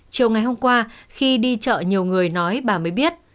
chiều ngày hôm qua khi đi chợ nhiều người nói bà mới biết